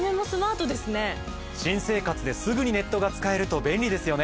新生活ですぐにネットが使えると便利ですよね。